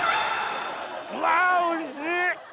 うわおいしい！